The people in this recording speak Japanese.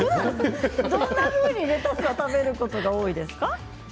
どんなふうにレタスは食べることが多いですか。